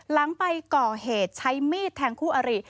หลังไปก่อเหตุใช้มีดแทงคู่อริ